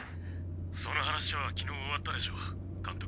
「その話は昨日終わったでしょ監督」